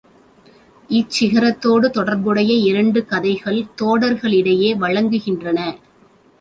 இச் சிகரத்தோடு தொடர்புடைய இரண்டு கதைகள் தோடர்களிடையே வழங்குகின்றன.